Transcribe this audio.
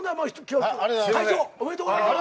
会長おめでとうございます。